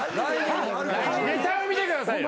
ネタを見てください。